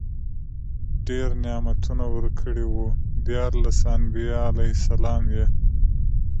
ډير نعمتونه ورکړي وو، ديارلس انبياء عليهم السلام ئي